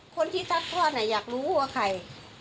ซัดทอดอยากรู้ว่าใคร